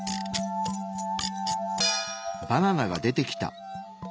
バナナが出てきた。